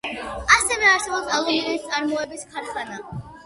ასევე არსებობს ალუმინის წარმოების ქარხანა.